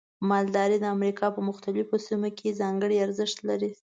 مالداري د امریکا په مختلفو سیمو کې ځانګړي ارزښت لري.